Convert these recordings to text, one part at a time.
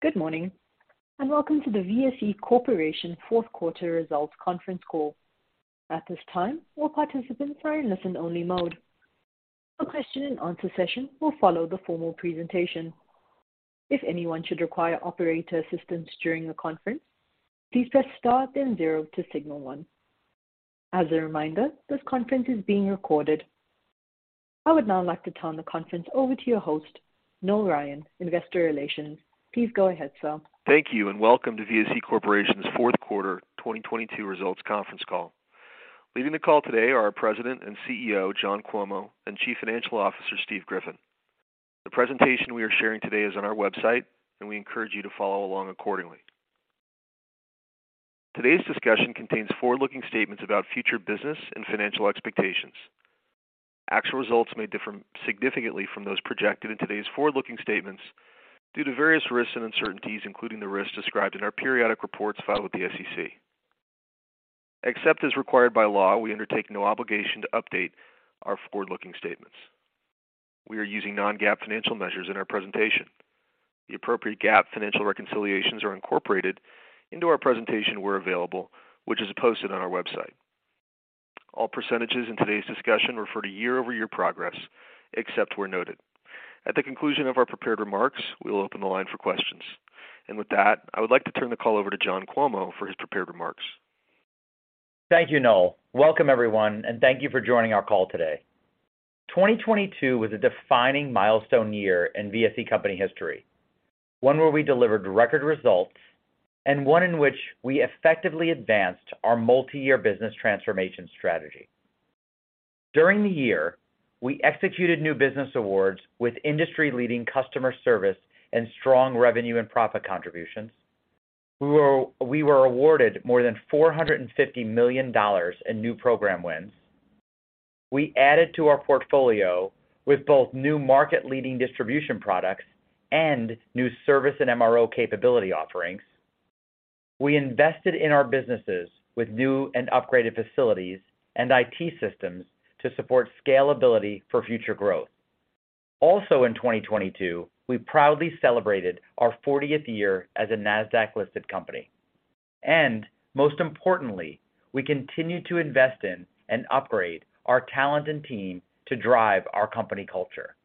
Good morning, welcome to the VSE Corporation fourth quarter results conference call. At this time, all participants are in listen only mode. A question and answer session will follow the formal presentation. If anyone should require operator assistance during the conference, please press star then zero to signal one. As a reminder, this conference is being recorded. I would now like to turn the conference over to your host, Noel Ryan, Investor Relations. Please go ahead, sir. Thank you and welcome to VSE Corporation's fourth quarter 2022 results conference call. Leading the call today are our President and CEO, John Cuomo and Chief Financial Officer, Steve Griffin. The presentation we are sharing today is on our website, and we encourage you to follow along accordingly. Today's discussion contains forward-looking statements about future business and financial expectations. Actual results may differ significantly from those projected in today's forward-looking statements due to various risks and uncertainties, including the risks described in our periodic reports filed with the SEC. Except as required by law, we undertake no obligation to update our forward-looking statements. We are using non-GAAP financial measures in our presentation. The appropriate GAAP financial reconciliations are incorporated into our presentation where available, which is posted on our website. All percentages in today's discussion refer to year-over-year progress, except where noted. At the conclusion of our prepared remarks, we will open the line for questions. With that, I would like to turn the call over to John Cuomo for his prepared remarks. Thank you, Noel. Welcome everyone, thank you for joining our call today. 2022 was a defining milestone year in VSE company history, one where we delivered record results and one in which we effectively advanced our multi-year business transformation strategy. During the year, we executed new business awards with industry-leading customer service and strong revenue and profit contributions. We were awarded more than $450 million in new program wins. We added to our portfolio with both new market-leading distribution products and new service and MRO capability offerings. We invested in our businesses with new and upgraded facilities and IT systems to support scalability for future growth. In 2022, we proudly celebrated our 40th year as a Nasdaq-listed company. Most importantly, we continued to invest in and upgrade our talent and team to drive our company culture.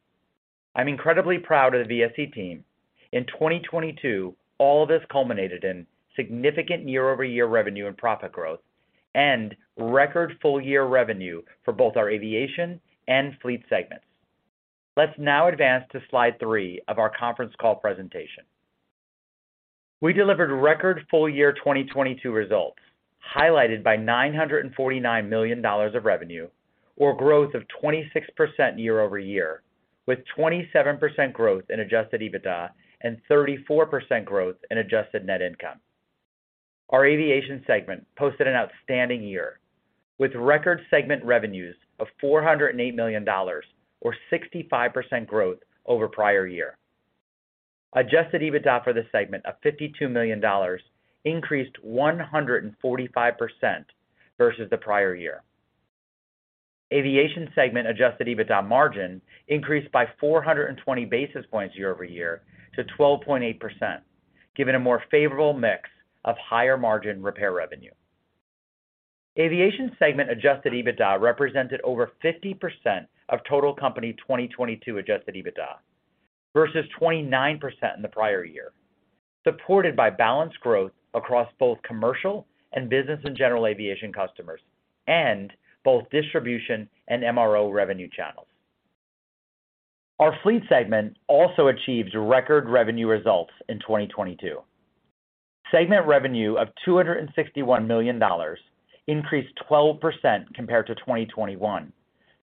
I'm incredibly proud of the VSE team. In 2022, all this culminated in significant year-over-year revenue and profit growth and record full-year revenue for both our aviation and Fleet Segments. Let's now advance to slide three of our conference call presentation. We delivered record full-year 2022 results, highlighted by $949 million of revenue or growth of 26% year-over-year, with 27% growth in adjusted EBITDA and 34% growth in adjusted net income. Our aviation segment posted an outstanding year with record segment revenues of $408 million or 65% growth over prior year. Adjusted EBITDA for this segment of $52 million increased 145% versus the prior year. Aviation segment adjusted EBITDA margin increased by 420 basis points year-over-year to 12.8%, given a more favorable mix of higher margin repair revenue. Aviation segment adjusted EBITDA represented over 50% of total company 2022 adjusted EBITDA versus 29% in the prior year, supported by balanced growth across both commercial and business and general aviation customers and both distribution and MRO revenue channels. Our Fleet Segment also achieves record revenue results in 2022. Segment revenue of $261 million increased 12% compared to 2021,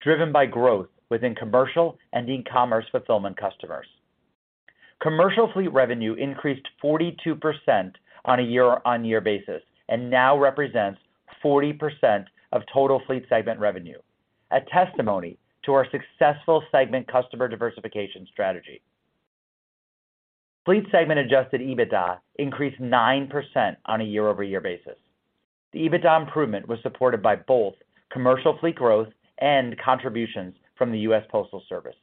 driven by growth within commercial and e-commerce fulfillment customers. Commercial Fleet revenue increased 42% on a year-on-year basis and now represents 40% of total Fleet Segment revenue, a testimony to our successful segment customer diversification strategy. Fleet Segment adjusted EBITDA increased 9% on a year-over-year basis. The EBITDA improvement was supported by both commercial Fleet growth and contributions from the US Postal Service.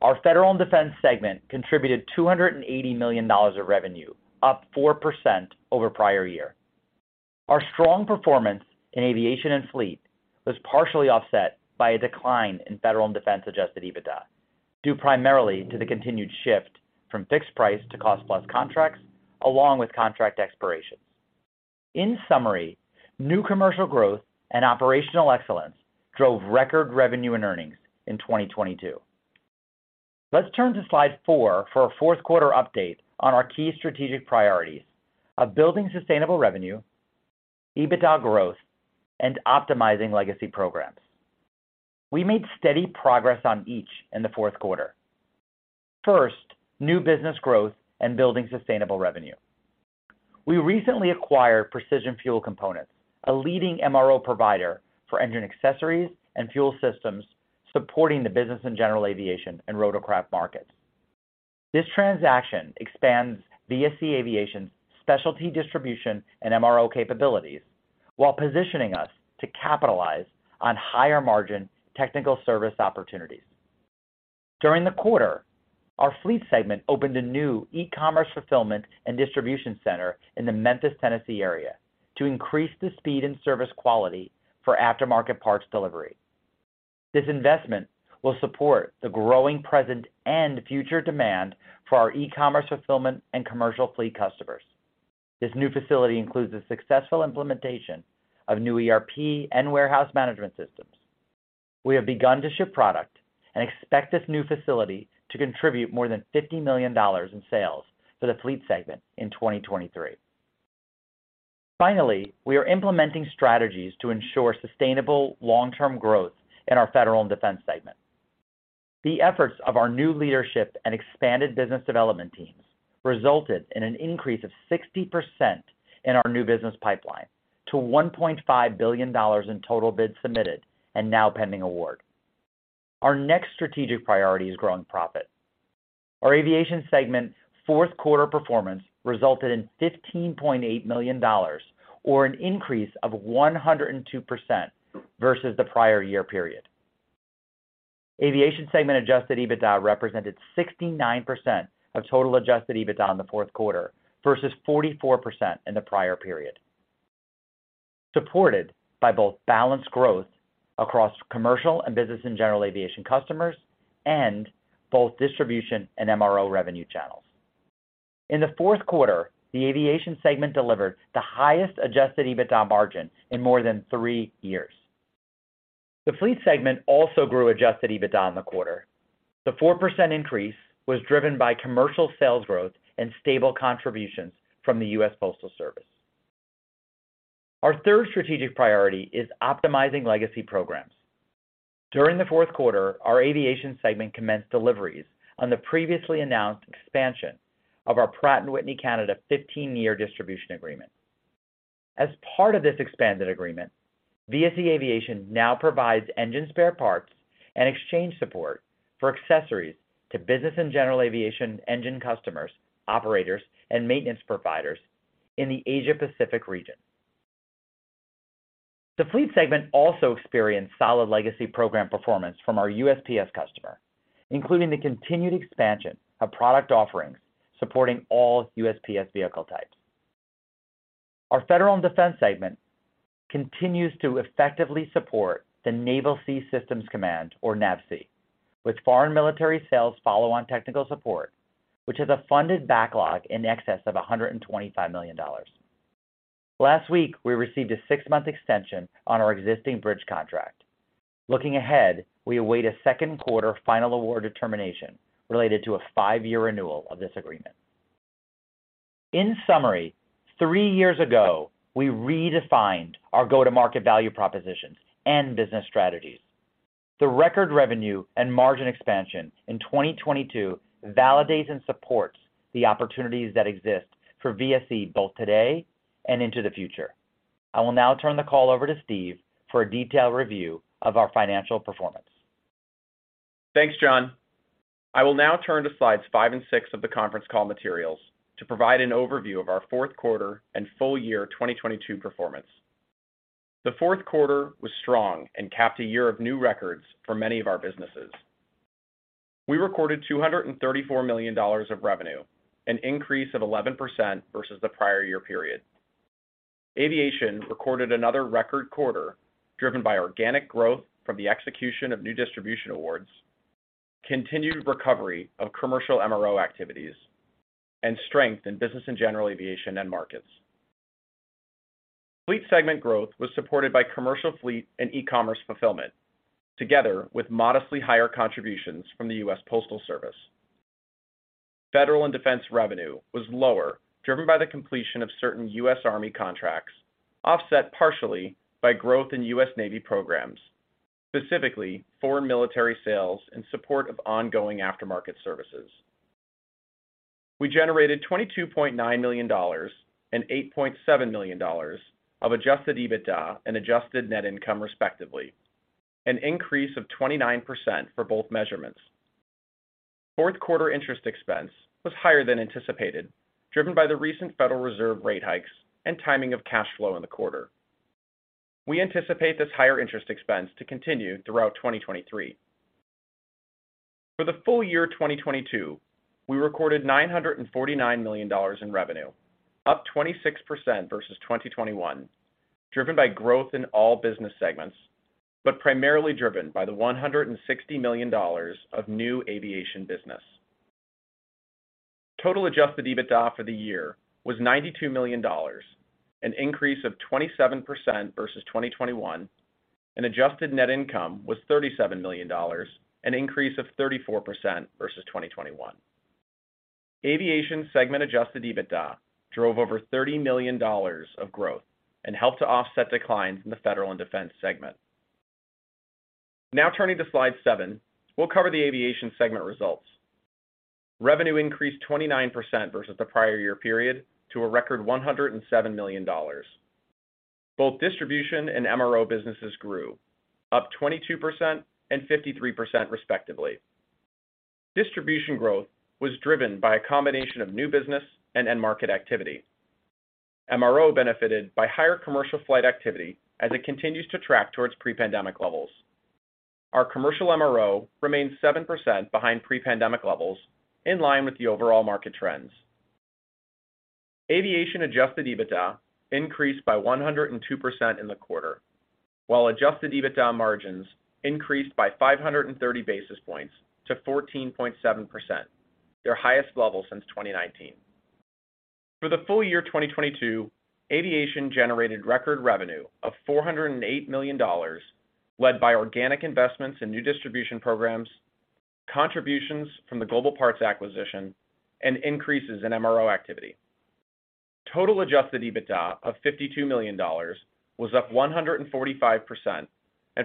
Our federal and defense segment contributed $280 million of revenue, up 4% over prior year. Our strong performance in aviation and Fleet was partially offset by a decline in federal and defense adjusted EBITDA, due primarily to the continued shift from fixed price to cost-plus contracts along with contract expirations. In summary, new commercial growth and operational excellence drove record revenue and earnings in 2022. Let's turn to slide four for a fourth quarter update on our key strategic priorities of building sustainable revenue, EBITDA growth, and optimizing legacy programs. We made steady progress on each in the fourth quarter. New business growth and building sustainable revenue. We recently acquired Precision Fuel Components, a leading MRO provider for engine accessories and fuel systems supporting the business in general aviation and rotorcraft markets. This transaction expands VSE Aviation's specialty distribution and MRO capabilities while positioning us to capitalize on higher margin technical service opportunities. During the quarter, our Fleet Segment opened a new e-commerce fulfillment and distribution center in the Memphis, Tennessee area to increase the speed and service quality for aftermarket parts delivery. This investment will support the growing present and future demand for our e-commerce fulfillment and commercial Fleet customers. This new facility includes a successful implementation of new ERP and warehouse management systems. We have begun to ship product and expect this new facility to contribute more than $50 million in sales to the Fleet Segment in 2023. Finally, we are implementing strategies to ensure sustainable long-term growth in our Federal and Defense segment. The efforts of our new leadership and expanded business development teams resulted in an increase of 60% in our new business pipeline to $1.5 billion in total bids submitted and now pending award. Our next strategic priority is growing profit. Our aviation segment's fourth quarter performance resulted in $15.8 million or an increase of 102% versus the prior year period. Aviation segment adjusted EBITDA represented 69% of total adjusted EBITDA in the fourth quarter versus 44% in the prior period, supported by both balanced growth across commercial and business and general aviation customers and both distribution and MRO revenue channels. In the fourth quarter, the aviation segment delivered the highest adjusted EBITDA margin in more than three years. The Fleet Segment also grew adjusted EBITDA in the quarter. The 4% increase was driven by commercial sales growth and stable contributions from the US Postal Service. Our third strategic priority is optimizing legacy programs. During the fourth quarter, our aviation segment commenced deliveries on the previously announced expansion of our Pratt & Whitney Canada 15-year distribution agreement. As part of this expanded agreement, VSE Aviation now provides engine spare parts and exchange support for accessories to business and general aviation engine customers, operators, and maintenance providers in the Asia Pacific region. The Fleet Segment also experienced solid legacy program performance from our USPS customer, including the continued expansion of product offerings supporting all USPS vehicle types. Our federal and defense segment continues to effectively support the Naval Sea Systems Command, or NAVSEA, with foreign military sales follow on technical support, which has a funded backlog in excess of $125 million. Last week, we received a six-month extension on our existing bridge contract. Looking ahead, we await a second quarter final award determination related to a five-year renewal of this agreement. In summary, three years ago, we redefined our go-to-market value propositions and business strategies. The record revenue and margin expansion in 2022 validates and supports the opportunities that exist for VSE both today and into the future. I will now turn the call over to Steve for a detailed review of our financial performance. Thanks, John. I will now turn to slides five and six of the conference call materials to provide an overview of our fourth quarter and full year 2022 performance. The fourth quarter was strong and capped a year of new records for many of our businesses. We recorded $234 million of revenue, an increase of 11% versus the prior year period. Aviation recorded another record quarter driven by organic growth from the execution of new distribution awards, continued recovery of commercial MRO activities, and strength in business and general aviation end markets. Fleet Segment growth was supported by commercial Fleet and e-commerce fulfillment, together with modestly higher contributions from the US Postal Service. Federal and Defense revenue was lower, driven by the completion of certain US Army contracts, offset partially by growth in US Navy programs, specifically foreign military sales in support of ongoing aftermarket services. We generated $22.9 million and $8.7 million of adjusted EBITDA and adjusted net income, respectively, an increase of 29% for both measurements. Fourth quarter interest expense was higher than anticipated, driven by the recent Federal Reserve rate hikes and timing of cash flow in the quarter. We anticipate this higher interest expense to continue throughout 2023. For the full year 2022, we recorded $949 million in revenue, up 26% versus 2021, driven by growth in all business segments, but primarily driven by the $160 million of new aviation business. Total adjusted EBITDA for the year was $92 million, an increase of 27% versus 2021, and adjusted net income was $37 million, an increase of 34% versus 2021. Aviation segment adjusted EBITDA drove over $30 million of growth and helped to offset declines in the federal and defense segment. Now turning to slide seven, we'll cover the aviation segment results. Revenue increased 29% versus the prior year period to a record $107 million. Both distribution and MRO businesses grew, up 22% and 53% respectively. Distribution growth was driven by a combination of new business and end market activity. MRO benefited by higher commercial flight activity as it continues to track towards pre-pandemic levels. Our commercial MRO remains 7% behind pre-pandemic levels in line with the overall market trends. Aviation adjusted EBITDA increased by 102% in the quarter, while adjusted EBITDA margins increased by 530 basis points to 14.7%, their highest level since 2019. For the full year 2022, Aviation generated record revenue of $408 million, led by organic investments in new distribution programs, contributions from the Global Parts acquisition, and increases in MRO activity. Total adjusted EBITDA of $52 million was up 145%.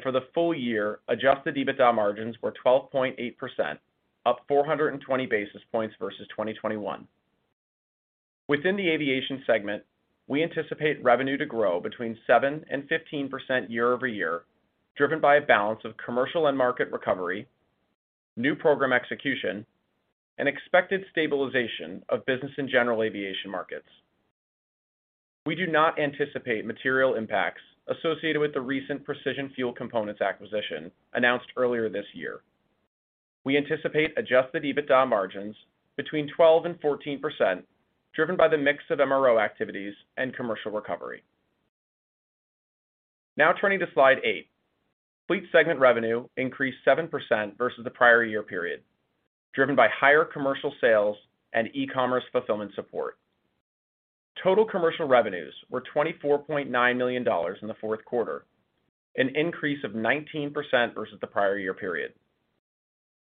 For the full year, adjusted EBITDA margins were 12.8%, up 420 basis points versus 2021. Within the Aviation segment, we anticipate revenue to grow between 7% and 15% year-over-year, driven by a balance of commercial end market recovery, new program execution, and expected stabilization of business and general aviation markets. We do not anticipate material impacts associated with the recent Precision Fuel Components acquisition announced earlier this year. We anticipate adjusted EBITDA margins between 12% and 14% driven by the mix of MRO activities and commercial recovery. Turning to slide eight. Fleet Segment revenue increased 7% versus the prior year period, driven by higher commercial sales and e-commerce fulfillment support. Total commercial revenues were $24.9 million in the fourth quarter, an increase of 19% versus the prior year period.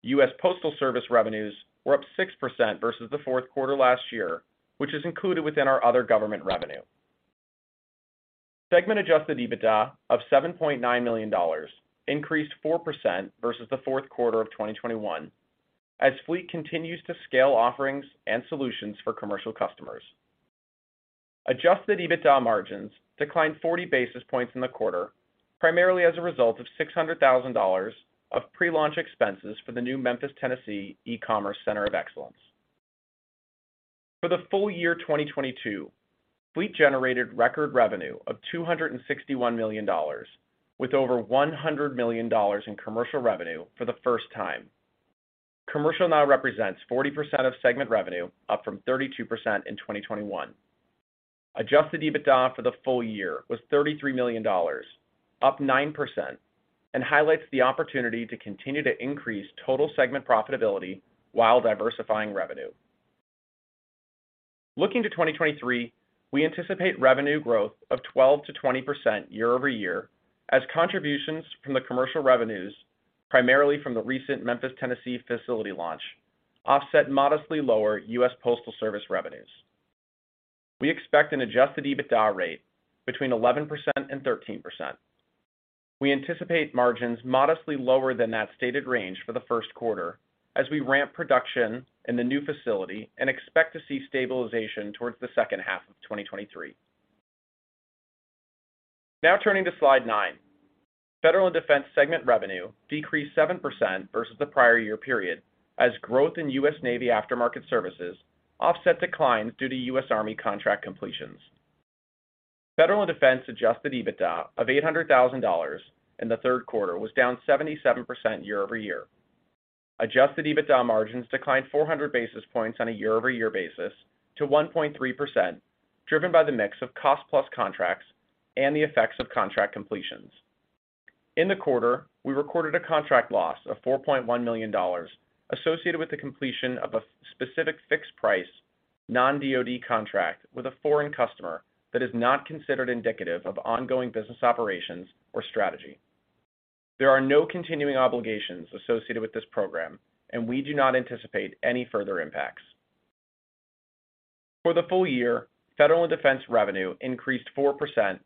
US Postal Service revenues were up 6% versus the fourth quarter last year, which is included within our other government revenue. Segment adjusted EBITDA of $7.9 million increased 4% versus the fourth quarter of 2021 as Fleet continues to scale offerings and solutions for commercial customers. Adjusted EBITDA margins declined 40 basis points in the quarter, primarily as a result of $600,000 of pre-launch expenses for the new Memphis, Tennessee center of excellence. For the full year 2022, Fleet generated record revenue of $261 million with over $100 million in commercial revenue for the first time. Commercial now represents 40% of segment revenue, up from 32% in 2021. Adjusted EBITDA for the full year was $33 million, up 9%, and highlights the opportunity to continue to increase total segment profitability while diversifying revenue. Looking to 2023, we anticipate revenue growth of 12%-20% year-over-year as contributions from the commercial revenues, primarily from the recent Memphis, Tennessee facility launch, offset modestly lower US Postal Service revenues. We expect an adjusted EBITDA rate between 11% and 13%. We anticipate margins modestly lower than that stated range for the first quarter as we ramp production in the new facility and expect to see stabilization towards the second half of 2023. Turning to slide nine. Federal and Defense segment revenue decreased 7% versus the prior year period as growth in US Navy aftermarket services offset declines due to US Army contract completions. Federal Defense adjusted EBITDA of $800,000 in the third quarter was down 77% year-over-year. Adjusted EBITDA margins declined 400 basis points on a year-over-year basis to 1.3%, driven by the mix of cost plus contracts and the effects of contract completions. In the quarter, we recorded a contract loss of $4.1 million associated with the completion of a specific fixed price non-DOD contract with a foreign customer that is not considered indicative of ongoing business operations or strategy. There are no continuing obligations associated with this program, and we do not anticipate any further impacts. For the full year, federal and defense revenue increased 4% to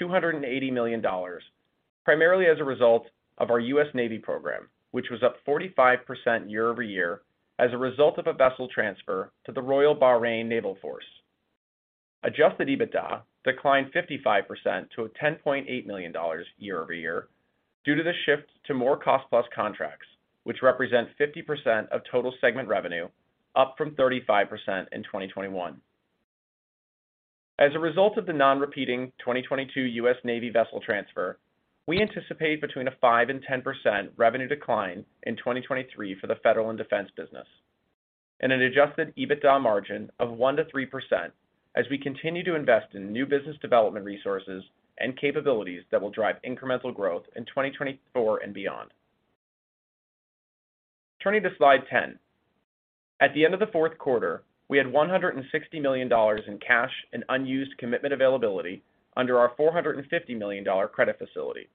$280 million, primarily as a result of our US Navy program, which was up 45% year-over-year as a result of a vessel transfer to the Royal Bahrain Naval Force. Adjusted EBITDA declined 55% to $10.8 million year-over-year due to the shift to more cost-plus contracts, which represent 50% of total segment revenue, up from 35% in 2021. As a result of the non-repeating 2022 US Navy vessel transfer, we anticipate between a 5%-10% revenue decline in 2023 for the federal and defense business and an adjusted EBITDA margin of 1%-3% as we continue to invest in new business development resources and capabilities that will drive incremental growth in 2024 and beyond. Turning to slide 10. At the end of the fourth quarter, we had $160 million in cash and unused commitment availability under our $450 million credit facility.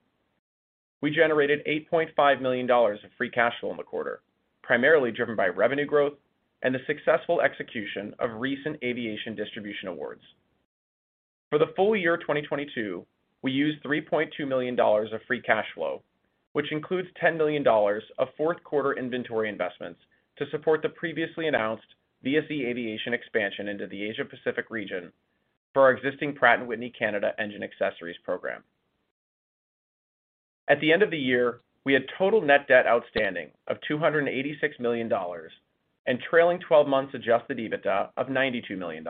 We generated $8.5 million of free cash flow in the quarter, primarily driven by revenue growth and the successful execution of recent aviation distribution awards. For the full year 2022, we used $3.2 million of free cash flow, which includes $10 million of fourth quarter inventory investments to support the previously announced VSE Aviation expansion into the Asia-Pacific region for our existing Pratt & Whitney Canada engine accessories program. At the end of the year, we had total net debt outstanding of $286 million and trailing 12 months adjusted EBITDA of $92 million.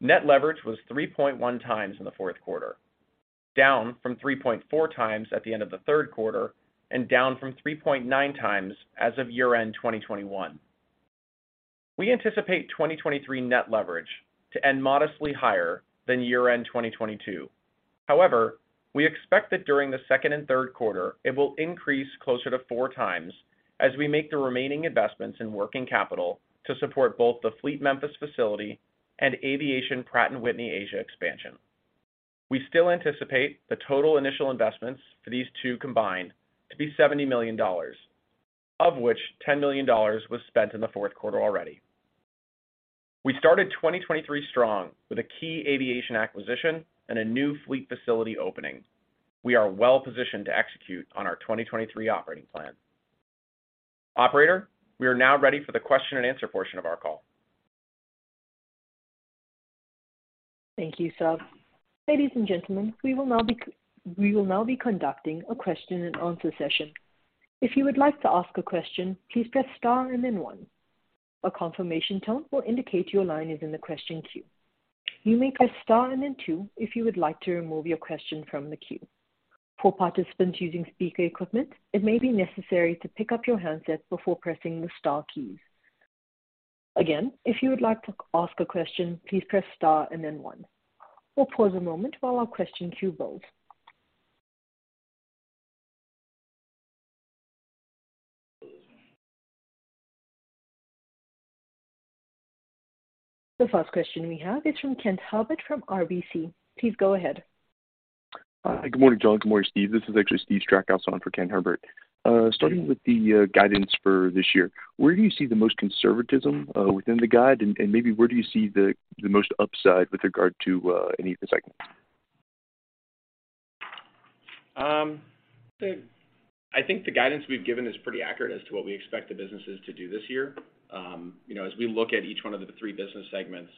Net leverage was 3.1x in the fourth quarter, down from 3.4x at the end of the third quarter and down from 3.9x as of year-end 2021. We anticipate 2023 net leverage to end modestly higher than year-end 2022. We expect that during the second and third quarter, it will increase closer to 4x as we make the remaining investments in working capital to support both the Fleet Memphis facility and Aviation Pratt & Whitney Asia expansion. We still anticipate the total initial investments for these two combined to be $70 million, of which $10 million was spent in the fourth quarter already. We started 2023 strong with a key Aviation acquisition and a new Fleet facility opening. We are well-positioned to execute on our 2023 operating plan. Operator, we are now ready for the question-and-answer portion of our call. Thank you, Steve. Ladies and gentlemen, we will now be conducting a question-and-answer session. If you would like to ask a question, please press star and then one. A confirmation tone will indicate your line is in the question queue. You may press star and then two if you would like to remove your question from the queue. For participants using speaker equipment, it may be necessary to pick up your handset before pressing the star keys. Again, if you would like to ask a question, please press star and then one. We'll pause a moment while our question queue builds. The first question we have is from Kenneth Herbert from RBC. Please go ahead. Good morning, John. Good morning, Steve. This is actually Steve Strakosch on for Kenneth Herbert. Starting with the guidance for this year, where do you see the most conservatism within the guide, and maybe where do you see the most upside with regard to any of the segments? I think the guidance we've given is pretty accurate as to what we expect the businesses to do this year. You know, as we look at each one of the three business segments.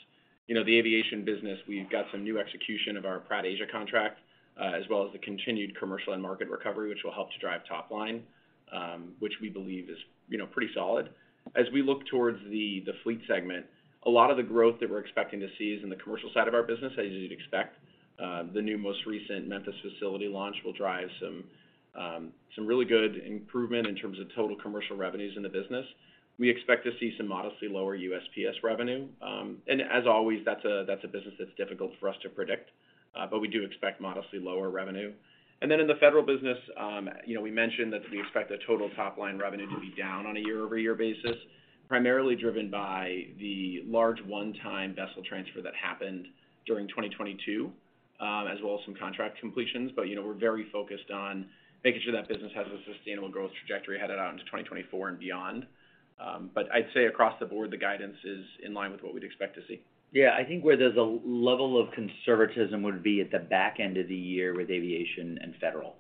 You know, the aviation business, we've got some new execution of our Pratt Asia contract, as well as the continued commercial end market recovery, which will help to drive top line, which we believe is, you know, pretty solid. As we look towards the Fleet Segment, a lot of the growth that we're expecting to see is in the commercial side of our business, as you'd expect. The new most recent Memphis facility launch will drive some really good improvement in terms of total commercial revenues in the business. We expect to see some modestly lower USPS revenue. As always, that's a, that's a business that's difficult for us to predict, but we do expect modestly lower revenue. In the federal business, you know, we mentioned that we expect the total top-line revenue to be down on a year-over-year basis, primarily driven by the large one-time vessel transfer that happened during 2022, as well as some contract completions. You know, we're very focused on making sure that business has a sustainable growth trajectory headed out into 2024 and beyond. I'd say across the board, the guidance is in line with what we'd expect to see. Yeah. I think where there's a level of conservatism would be at the back end of the year with Aviation and Federal.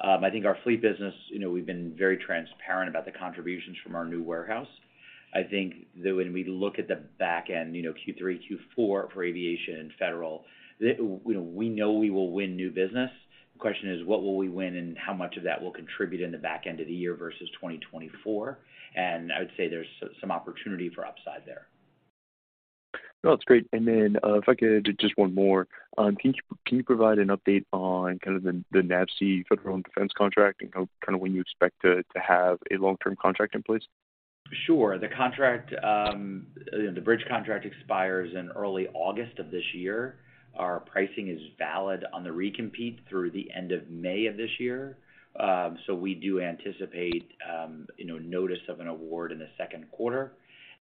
I think our Fleet business, you know, we've been very transparent about the contributions from our new warehouse. I think that when we look at the back end, you know, Q3, Q4 for Aviation and Federal, we know we will win new business. The question is, what will we win and how much of that will contribute in the back end of the year versus 2024? I would say there's some opportunity for upside there. No, it's great. If I could just one more. Can you provide an update on kind of the NAVSEA Federal and Defense contract and kind of when you expect to have a long-term contract in place? The contract, you know, the bridge contract expires in early August of this year. Our pricing is valid on the recompete through the end of May of this year. We do anticipate, you know, notice of an award in the second quarter,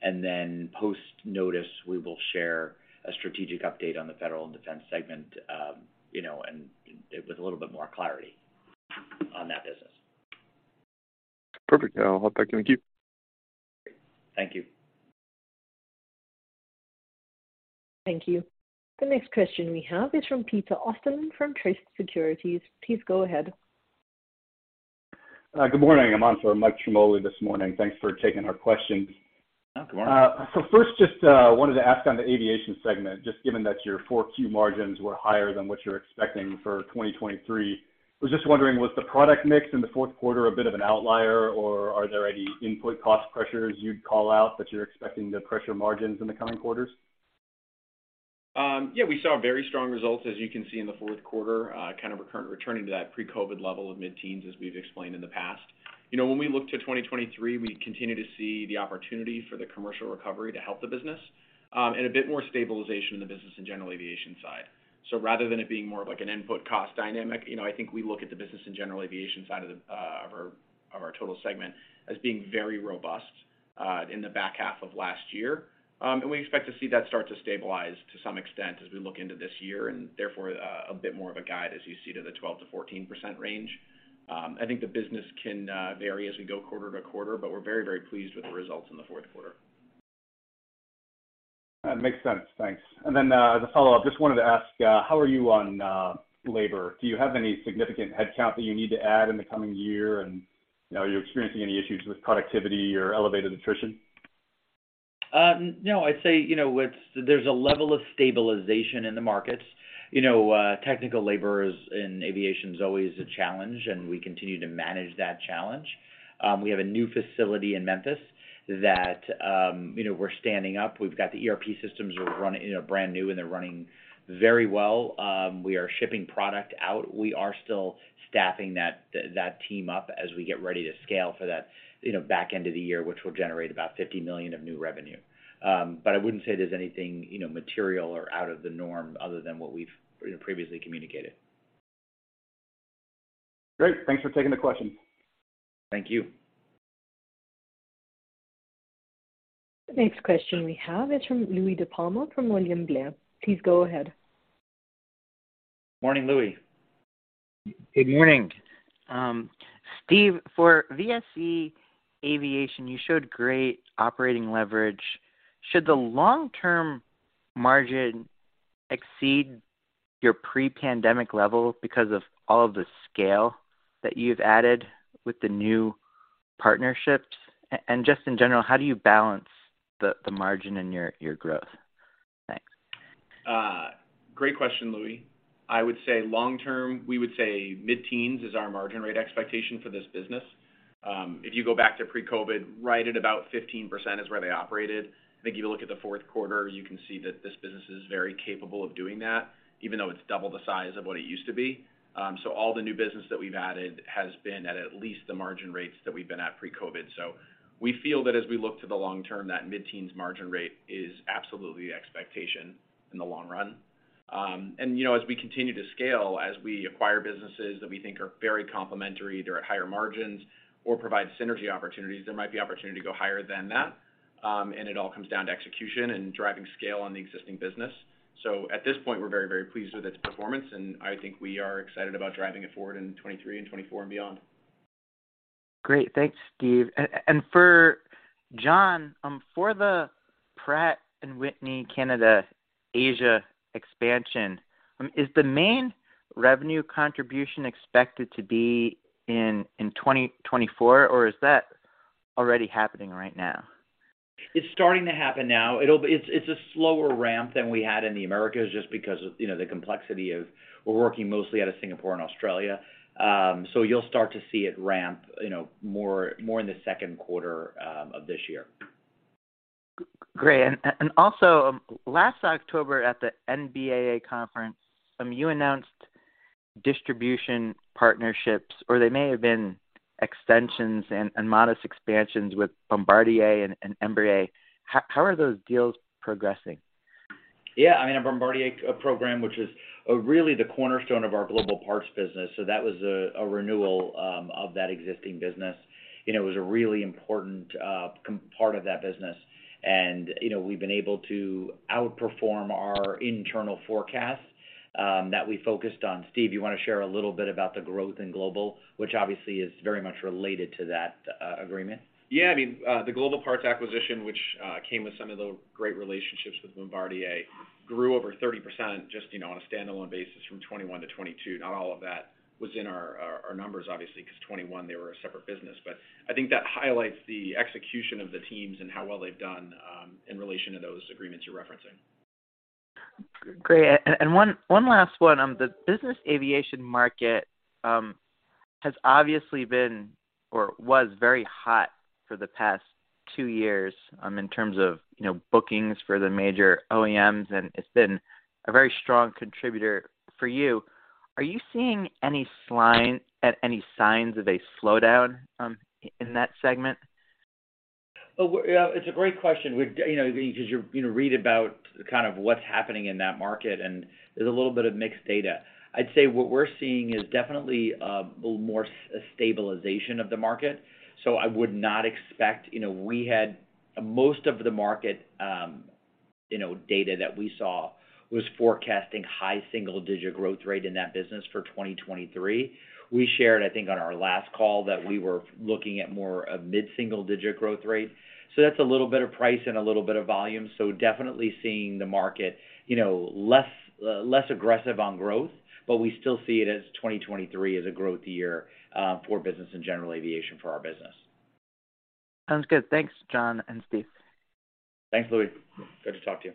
and then post notice, we will share a strategic update on the Federal and Defense segment, you know, and with a little bit more clarity on that business. Perfect. I'll hop back in the queue. Thank you. Thank you. The next question we have is from Peter Austin from Truist Securities. Please go ahead. Good morning. I'm on for Michael Ciarmoli this morning. Thanks for taking our questions. Oh, good morning. First, just wanted to ask on the aviation segment, just given that your four Q margins were higher than what you're expecting for 2023. I was just wondering, was the product mix in the fourth quarter a bit of an outlier, or are there any input cost pressures you'd call out that you're expecting to pressure margins in the coming quarters? Yeah, we saw very strong results, as you can see in the fourth quarter, returning to that pre-COVID level of mid-teens, as we've explained in the past. You know, when we look to 2023, we continue to see the opportunity for the commercial recovery to help the business, and a bit more stabilization in the business and general aviation side. Rather than it being more of like an input cost dynamic, you know, I think we look at the business and general aviation side of the, of our, of our total segment as being very robust, in the back half of last year. We expect to see that start to stabilize to some extent as we look into this year, and therefore, a bit more of a guide, as you see, to the 12%-14% range. I think the business can vary as we go quarter to quarter, but we're very, very pleased with the results in the fourth quarter. That makes sense. Thanks. Then, as a follow-up, just wanted to ask, how are you on labor? Do you have any significant headcount that you need to add in the coming year? You know, are you experiencing any issues with productivity or elevated attrition? No, I'd say, you know, there's a level of stabilization in the markets. You know, technical laborers in aviation is always a challenge, and we continue to manage that challenge. We have a new facility in Memphis that, you know, we're standing up. We've got the ERP systems. We're running, you know, brand new, and they're running very well. We are shipping product out. We are still staffing that team up as we get ready to scale for that, you know, back end of the year, which will generate about $50 million of new revenue. I wouldn't say there's anything, you know, material or out of the norm other than what we've, you know, previously communicated. Great. Thanks for taking the question. Thank you. Next question we have is from Louie DiPalma from William Blair. Please go ahead. Morning, Louie. Good morning. Steve, for VSE Aviation, you showed great operating leverage. Should the long-term margin exceed your pre-pandemic level because of all of the scale that you've added with the new partnerships? Just in general, how do you balance the margin and your growth? Thanks. Great question, Louie. I would say long term, we would say mid-teens is our margin rate expectation for this business. If you go back to pre-COVID, right at about 15% is where they operated. I think if you look at the fourth quarter, you can see that this business is very capable of doing that, even though it's double the size of what it used to be. All the new business that we've added has been at at least the margin rates that we've been at pre-COVID. We feel that as we look to the long term, that mid-teens margin rate is absolutely the expectation in the long run. You know, as we continue to scale, as we acquire businesses that we think are very complementary, they're at higher margins or provide synergy opportunities, there might be opportunity to go higher than that. It all comes down to execution and driving scale on the existing business. At this point, we're very, very pleased with its performance, and I think we are excited about driving it forward in 2023 and 2024 and beyond. Great. Thanks, Steve. For John, for the Pratt & Whitney Canada Asia expansion, is the main revenue contribution expected to be in 2024, or is that already happening right now? It's starting to happen now. It's a slower ramp than we had in the Americas just because of, you know, the complexity of we're working mostly out of Singapore and Australia. You'll start to see it ramp, you know, more in the second quarter of this year. Great. And also last October at the NBAA conference, you announced distribution partnerships, or they may have been extensions and modest expansions with Bombardier and Embraer. How are those deals progressing? Yeah. I mean, our Bombardier program, which is really the cornerstone of our Global Parts business, so that was a renewal of that existing business. You know, it was a really important part of that business. You know, we've been able to outperform our internal forecast that we focused on. Steve, you wanna share a little bit about the growth in Global, which obviously is very much related to that agreement. Yeah, I mean, the Global Parts acquisition, which came with some of the great relationships with Bombardier, grew over 30% just, you know, on a standalone basis from 2021 to 2022. Not all of that was in our numbers, obviously, 'cause 2021 they were a separate business. I think that highlights the execution of the teams and how well they've done in relation to those agreements you're referencing. Great. One last one. The business aviation market has obviously been or was very hot for the past two years, in terms of, you know, bookings for the major OEMs, and it's been a very strong contributor for you. Are you seeing any signs of a slowdown in that segment? Well, you know, it's a great question. You know, because you read about kind of what's happening in that market, there's a little bit of mixed data. I'd say what we're seeing is definitely more stabilization of the market. I would not expect. You know, we had most of the market, you know, data that we saw was forecasting high single-digit growth rate in that business for 2023. We shared, I think, on our last call that we were looking at more a mid-single digit growth rate. That's a little bit of price and a little bit of volume. Definitely seeing the market, you know, less less aggressive on growth, but we still see it as 2023 as a growth year for business and general aviation for our business. Sounds good. Thanks, John and Steve. Thanks, Louie. Good to talk to you.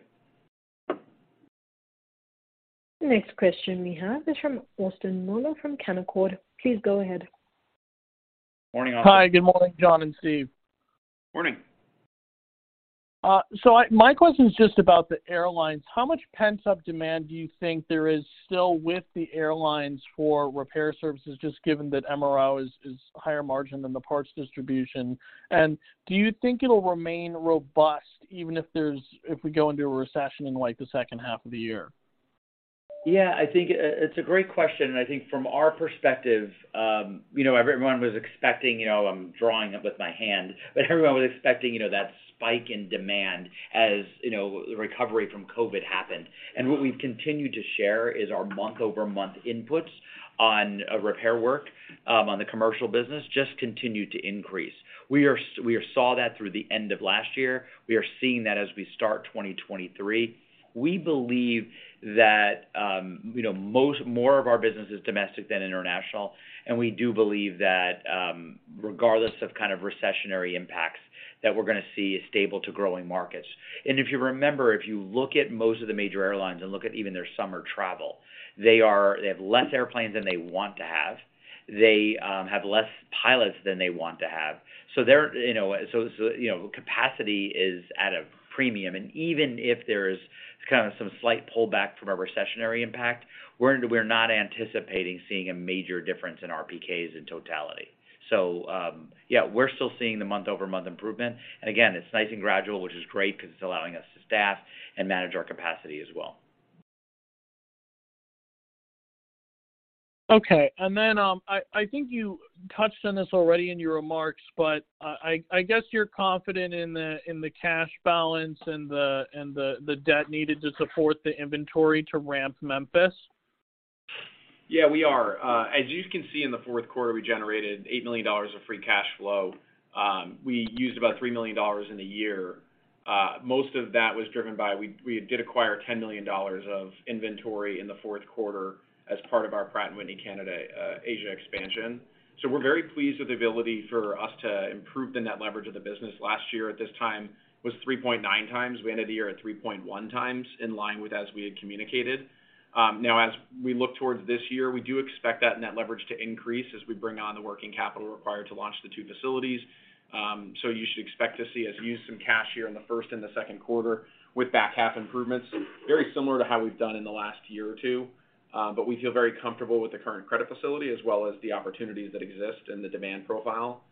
Next question we have is from Austin Moeller from Canaccord Genuity. Please go ahead. Morning, Austin. Hi. Good morning, John and Steve. Morning. My question is just about the airlines. How much pent-up demand do you think there is still with the airlines for repair services, just given that MRO is higher margin than the parts distribution? Do you think it'll remain robust even if we go into a recession in, like, the second half of the year? Yeah, I think, it's a great question. I think from our perspective, you know, everyone was expecting, you know, I'm drawing it with my hand, but everyone was expecting, you know, that spike in demand as, you know, the recovery from COVID happened. What we've continued to share is our month-over-month inputs on repair work, on the commercial business just continued to increase. We saw that through the end of last year. We are seeing that as we start 2023. We believe that, you know, more of our business is domestic than international, and we do believe that, regardless of kind of recessionary impacts that we're gonna see stable to growing markets. If you remember, if you look at most of the major airlines and look at even their summer travel, they have less airplanes than they want to have. They have less pilots than they want to have. they're, you know, capacity is at a premium, and even if there's kinda some slight pullback from a recessionary impact, we're not anticipating seeing a major difference in RPKs in totality. Yeah, we're still seeing the month-over-month improvement. Again, it's nice and gradual, which is great 'cause it's allowing us to staff and manage our capacity as well. Okay. I think you touched on this already in your remarks, but I guess you're confident in the cash balance and the debt needed to support the inventory to ramp Memphis? Yeah, we are. As you can see in the fourth quarter, we generated $8 million of free cash flow. We used about $3 million in the year. Most of that was driven by, we did acquire $10 million of inventory in the fourth quarter as part of our Pratt & Whitney Canada Asia expansion. We're very pleased with the ability for us to improve the net leverage of the business. Last year at this time was 3.9x. We ended the year at 3.1x, in line with-as we had communicated. Now as we look towards this year, we do expect that net leverage to increase as we bring on the working capital required to launch the two facilities. You should expect to see us use some cash here in the first and the second quarter with back half improvements, very similar to how we've done in the last year or two. We feel very comfortable with the current credit facility as well as the opportunities that exist in the demand profile.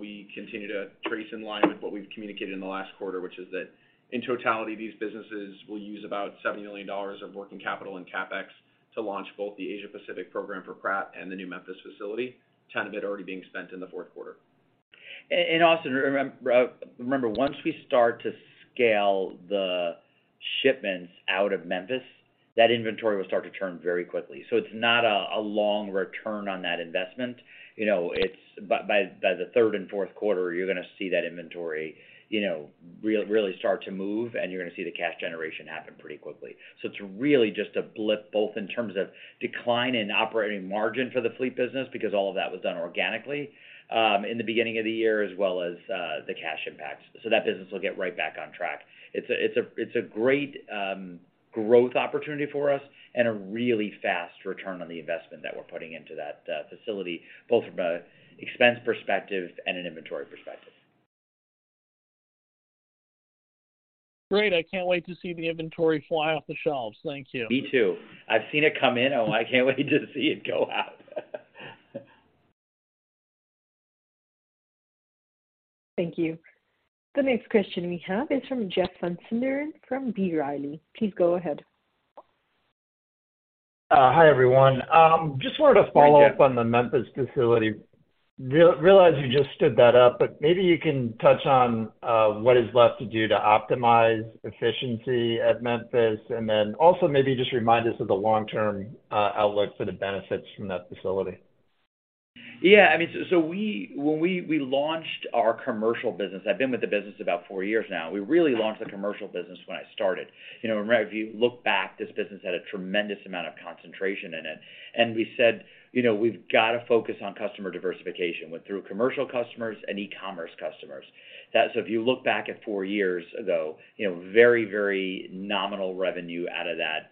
We continue to trace in line with what we've communicated in the last quarter, which is that in totality, these businesses will use about $70 million of working capital and CapEx to launch both the Asia Pacific program for Pratt and the new Memphis facility, 10 of it already being spent in the fourth quarter. Austin, remember, once we start to scale the shipments out of Memphis, that inventory will start to turn very quickly. It's not a long return on that investment. You know, it's. By the third and fourth quarter, you're gonna see that inventory, you know, really start to move, and you're gonna see the cash generation happen pretty quickly. It's really just a blip, both in terms of decline in operating margin for the Fleet business because all of that was done organically in the beginning of the year, as well as the cash impact. That business will get right back on track. It's a great growth opportunity for us and a really fast return on the investment that we're putting into that facility, both from a expense perspective and an inventory perspective. Great. I can't wait to see the inventory fly off the shelves. Thank you. Me too. I've seen it come in, oh, I can't wait to see it go out. Thank you. The next question we have is from Jeff Van Sinderen from B. Riley. Please go ahead. Hi, everyone. Just wanted to follow up- Hi, Jeff. On the Memphis facility. Realize you just stood that up, maybe you can touch on what is left to do to optimize efficiency at Memphis, then also maybe just remind us of the long-term outlook for the benefits from that facility? Yeah, I mean, when we launched our commercial business, I've been with the business about four years now. We really launched the commercial business when I started. You know, right, if you look back, this business had a tremendous amount of concentration in it. We said, "You know, we've got to focus on customer diversification, went through commercial customers and e-commerce customers." If you look back at four years ago, you know, very, very nominal revenue out of that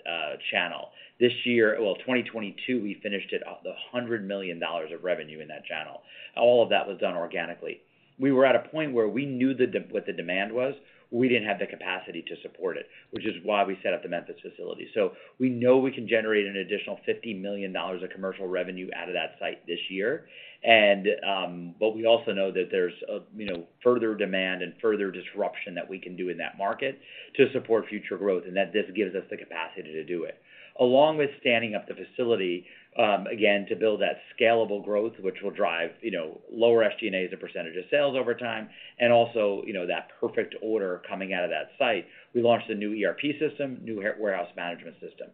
channel. This year of 2022, we finished it off at $100 million of revenue in that channel. All of that was done organically. We were at a point where we knew what the demand was, but we didn't have the capacity to support it, which is why we set up the Memphis facility. We know we can generate an additional $50 million of commercial revenue out of that site this year. But we also know that there's a, you know, further demand and further disruption that we can do in that market to support future growth, and that this gives us the capacity to do it. Along with standing up the facility, again, to build that scalable growth, which will drive, you know, lower SG&A and percentage of sales over time, and also, you know, that perfect order coming out of that site, we launched a new ERP system, new warehouse management system.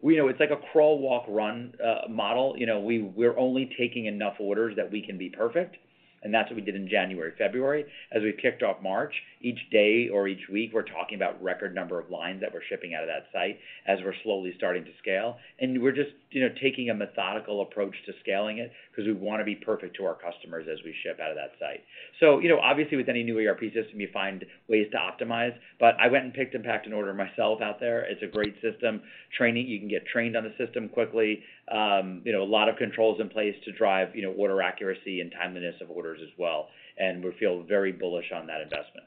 We know it's like a crawl, walk, run, model. You know, we're only taking enough orders that we can be perfect, and that's what we did in January, February. As we've kicked off March, each day or each week, we're talking about record number of lines that we're shipping out of that site as we're slowly starting to scale. We're just, you know, taking a methodical approach to scaling it 'cause we wanna be perfect to our customers as we ship out of that site. You know, obviously with any new ERP system, you find ways to optimize. I went and picked and packed an order myself out there. It's a great system. Training, you can get trained on the system quickly. You know, a lot of controls in place to drive, you know, order accuracy and timeliness of orders as well. We feel very bullish on that investment.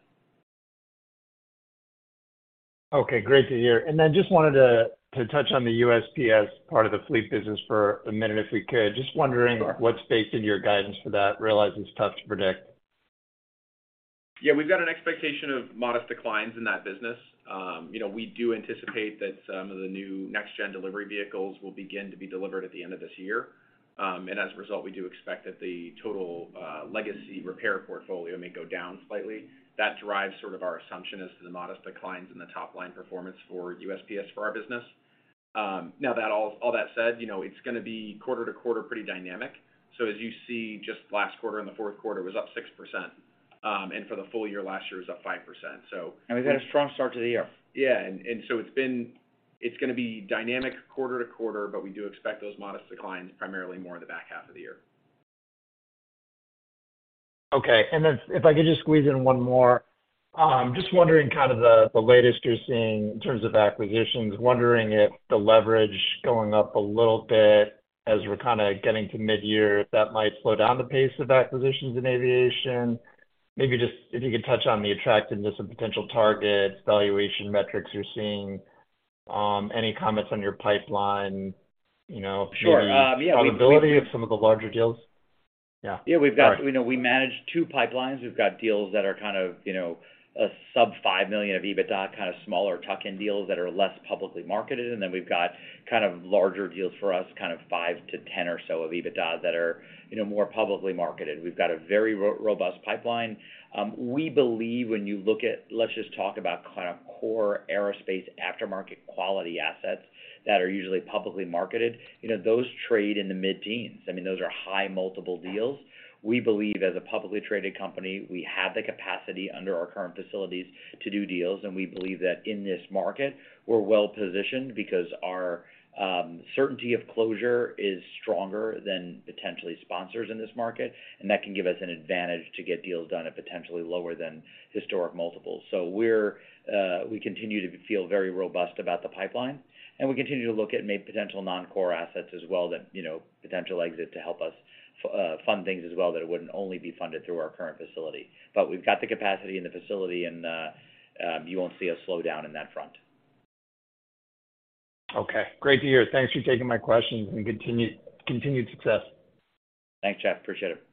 Okay. Great to hear. Just wanted to touch on the USPS part of the Fleet business for a minute, if we could. Just wondering. Sure. What's baked into your guidance for that? Realize it's tough to predict. Yeah. We've got an expectation of modest declines in that business. You know, we do anticipate that some of the new next gen delivery vehicles will begin to be delivered at the end of this year. And as a result, we do expect that the total, legacy repair portfolio may go down slightly. That drives sort of our assumption as to the modest declines in the top line performance for USPS for our business. Now that all that said, you know, it's gonna be quarter to quarter pretty dynamic. As you see just last quarter, in the fourth quarter, it was up 6%, and for the full year, last year was up 5%. We've had a strong start to the year. Yeah. It's gonna be dynamic quarter to quarter, but we do expect those modest declines primarily more in the back half of the year. Okay. If I could just squeeze in one more. Just wondering the latest you're seeing in terms of acquisitions. Wondering if the leverage going up a little bit as we're kinda getting to midyear, if that might slow down the pace of acquisitions in aviation. Maybe just if you could touch on the attractiveness of potential targets, valuation metrics you're seeing. Any comments on your pipeline, you know. Sure.. Maybe probability of some of the larger deals. Yeah. Yeah. We know we manage two pipelines. We've got deals that are kind of, you know, a sub $5 million of EBITDA, kind of smaller tuck-in deals that are less publicly marketed, and then we've got kind of larger deals for us, kind of $5 million to $10 million or so of EBITDA that are, you know, more publicly marketed. We've got a very robust pipeline. We believe. Let's just talk about kind of core aerospace aftermarket quality assets that are usually publicly marketed. You know, those trade in the mid-teens. I mean, those are high multiple deals. We believe, as a publicly traded company, we have the capacity under our current facilities to do deals. We believe that in this market we're well-positioned because our certainty of closure is stronger than potentially sponsors in this market, and that can give us an advantage to get deals done at potentially lower than historic multiples. We continue to feel very robust about the pipeline, and we continue to look at maybe potential non-core assets as well that, you know, potential exit to help us fund things as well that it wouldn't only be funded through our current facility. We've got the capacity in the facility and you won't see us slow down in that front. Okay. Great to hear. Thanks for taking my questions, and continued success. Thanks, Jeff. Appreciate it.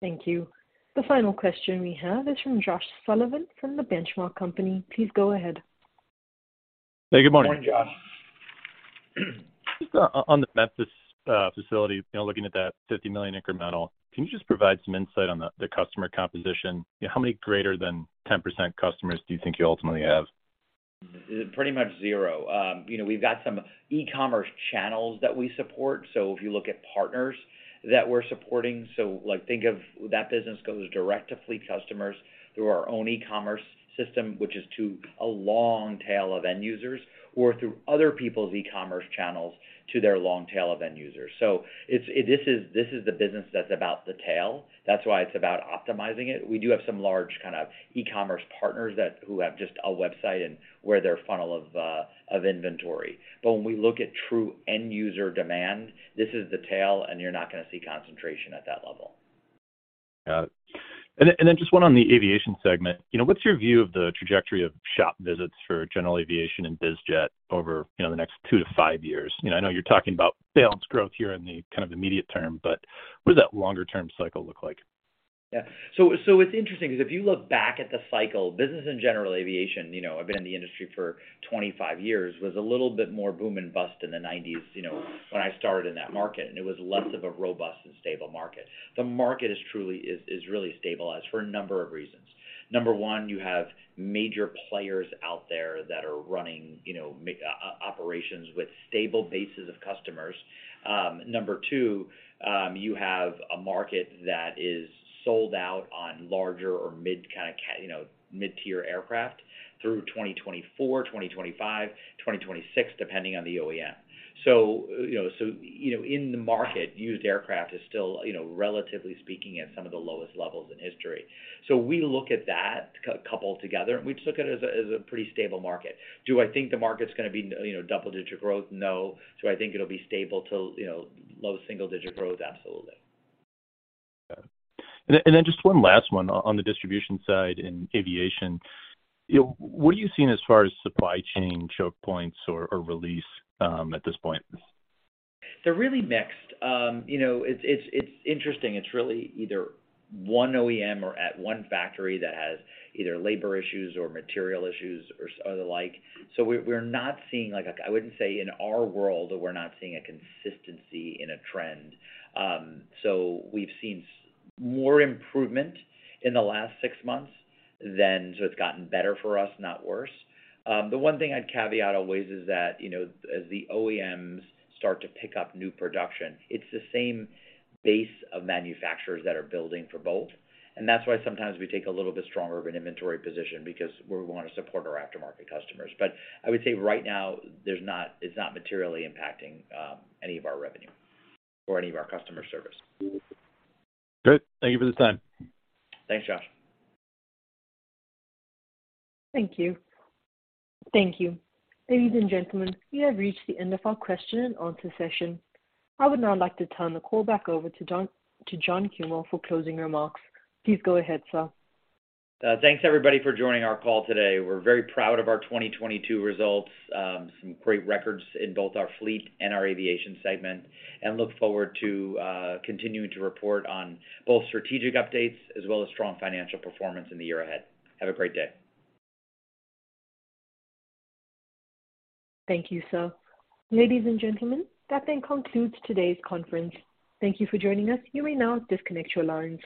Thank you. The final question we have is from Josh Sullivan from The Benchmark Company. Please go ahead. Hey, good morning. Morning, Josh. Just on the Memphis facility, you know, looking at that $50 million incremental, can you just provide some insight on the customer composition? How many greater than 10% customers do you think you ultimately have? Pretty much zero. you know, we've got some e-commerce channels that we support. If you look at partners that we're supporting, so, like, think of that business goes direct to Fleet customers through our own e-commerce system, which is to a long tail of end users or through other people's e-commerce channels to their long tail of end users. This is the business that's about the tail. That's why it's about optimizing it. We do have some large kind of e-commerce partners that... who have just a website and where their funnel of inventory. When we look at true end user demand, this is the tail, and you're not gonna see concentration at that level. Got it. Then just one on the aviation segment. You know, what's your view of the trajectory of shop visits for general aviation and biz jet over, you know, the next 2 years-5 years? You know, I know you're talking about balanced growth here in the kind of immediate term, but what does that longer term cycle look like? Yeah. It's interesting 'cause if you look back at the cycle, business and general aviation, you know, I've been in the industry for 25 years, was a little bit more boom and bust in the nineties, you know, when I started in that market, and it was less of a robust and stable market. The market is really stabilized for a number of reasons. Number one, you have major players out there that are running, you know, operations with stable bases of customers. Number two, you have a market that is sold out on larger or mid kind of you know, mid-tier aircraft through 2024, 2025, 2026, depending on the OEM. You know, in the market, used aircraft is still, you know, relatively speaking, at some of the lowest levels in history. We look at that coupled together, and we just look at it as a pretty stable market. Do I think the market's gonna be, you know, double-digit growth? No. Do I think it'll be stable till, you know, low single-digit growth? Absolutely. Yeah. Just one last one on the distribution side in aviation. What are you seeing as far as supply chain choke points or release, at this point? They're really mixed. You know, it's, it's interesting. It's really either one OEM or at one factory that has either labor issues or material issues or the like. We're not seeing I wouldn't say in our world that we're not seeing a consistency in a trend. We've seen more improvement in the last six months than. It's gotten better for us, not worse. The one thing I'd caveat always is that, you know, as the OEMs start to pick up new production, it's the same base of manufacturers that are building for both. That's why sometimes we take a little bit stronger of an inventory position because we wanna support our aftermarket customers. I would say right now there's it's not materially impacting any of our revenue or any of our customer service. Great. Thank you for the time. Thanks, Josh. Thank you. Thank you. Ladies and gentlemen, we have reached the end of our question and answer session. I would now like to turn the call back over to John Cuomo for closing remarks. Please go ahead, sir. Thanks everybody for joining our call today. We're very proud of our 2022 results. Some great records in both our Fleet and our Aviation segment, and look forward to continuing to report on both strategic updates as well as strong financial performance in the year ahead. Have a great day. Thank you, sir. Ladies and gentlemen, that then concludes today's conference. Thank you for joining us. You may now disconnect your lines.